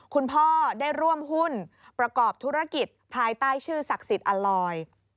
คุณพ่อได้ร่วมหุ้นประกอบธุรกิจภายใต้ชื่อศักดิ์สิทธิ์อัลลอย